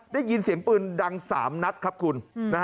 ได้ยินเสียงปืนดัง๓นัดครับคุณ